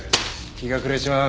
日が暮れちまう。